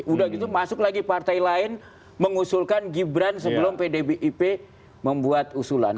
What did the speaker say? udah gitu masuk lagi partai lain mengusulkan gibran sebelum pdip membuat usulan